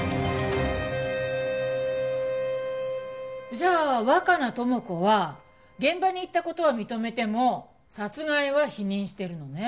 じゃあ若名友子は現場に行った事は認めても殺害は否認してるのね。